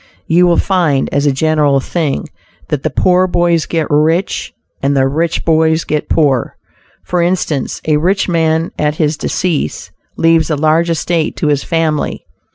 You will find, as a general thing, that the poor boys get rich and the rich boys get poor. For instance, a rich man at his decease, leaves a large estate to his family.